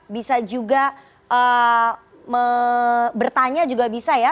bisa juga bertanya juga bisa ya